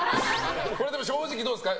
これは正直どうですか？